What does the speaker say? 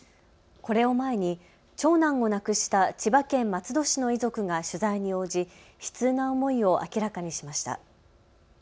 これを前に長男を亡くした千葉県松戸市の遺族が取材に応じ悲痛な思いを明らかにしました。